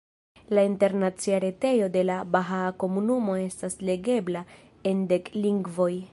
La internacia retejo de la bahaa komunumo estas legebla en dek lingvoj.